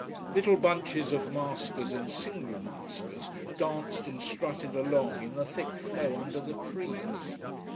Little bunches of maskers, and single maskers danced and strutted along in the thick flow under the trees.